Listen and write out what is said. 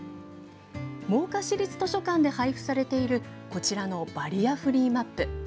真岡市立図書館で配布されているこちらのバリアフリーマップ。